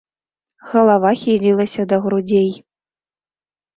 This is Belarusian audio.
Галава хілілася да грудзей.